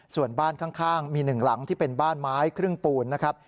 ส่วนบ้านข้างมี๑หลังที่เป็นบ้านไม้ครึ่งปูนนะครับ